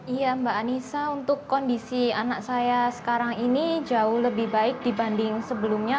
iya mbak anissa untuk kondisi anak saya sekarang ini jauh lebih baik dibanding sebelumnya